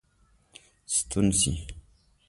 ستون سي.